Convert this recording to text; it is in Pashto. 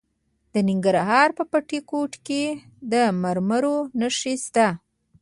د ننګرهار په بټي کوټ کې د مرمرو نښې شته.